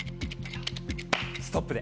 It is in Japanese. ストップで！